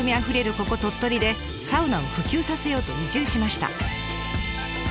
ここ鳥取でサウナを普及させようと移住しました。